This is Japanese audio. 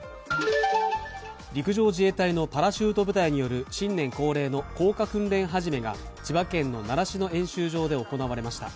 陸上自衛隊のパラシュート部隊による新年恒例の降下訓練始めが千葉県の習志野演習場で行われました。